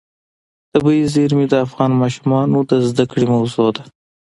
طبیعي زیرمې د افغان ماشومانو د زده کړې موضوع ده.